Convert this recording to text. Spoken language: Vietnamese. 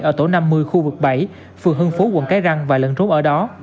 ở tổ năm mươi khu vực bảy phường hương phú quận cái răng và lận rốt ở đó